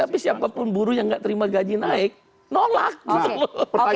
tapi siapapun buruh yang nggak terima gaji naik nolak gitu loh